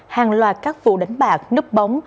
hàng loạt các vụ đánh bạc nấp bóng